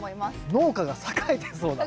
農家が栄えてそうな。